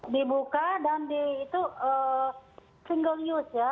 dibuka dan itu single use ya